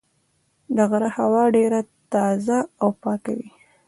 د غره هوا ډېره تازه او پاکه وي.